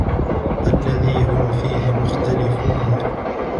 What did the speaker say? الذي هم فيه مختلفون